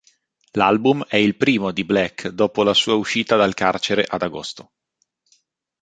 L'album è il primo di Black dopo la sua uscita dal carcere ad agosto.